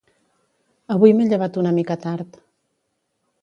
avui m'he llevat una mica tard